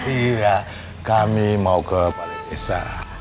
iya kami mau ke palembesa